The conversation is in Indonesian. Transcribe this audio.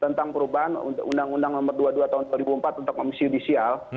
tentang perubahan undang undang nomor dua puluh dua tahun dua ribu empat tentang komisi judisial